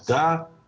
yang bisa dijangkau